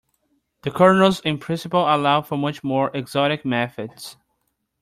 The kernels in principle allow for much more exotic methods.